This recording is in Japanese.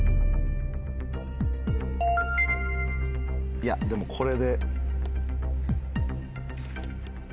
いやでもこれで。